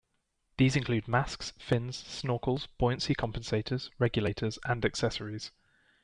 These include masks, fins, snorkels, buoyancy compensators, regulators and accessories.